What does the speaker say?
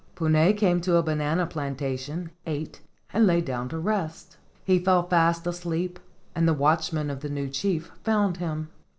Puna came to a banana plantation, ate, and lay down to rest. He fell fast asleep and the watch¬ men of the new chief found him.